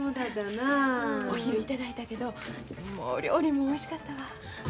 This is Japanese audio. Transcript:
お昼いただいたけどお料理もおいしかったわ。